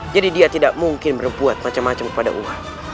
jadi dia tidak mungkin berbuat macam macam kepada uamu